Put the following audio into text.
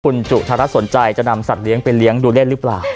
คุณจุธารัฐสนใจจะนำสัตว์เลี้ยไปเลี้ยงดูเล่นหรือเปล่า